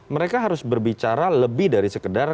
mereka harus berbicara lebih dari sekedar